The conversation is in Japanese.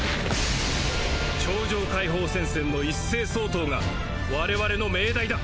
超常解放戦線の一斉掃討が我々の命題だ！